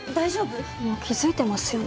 もう気づいていますよね。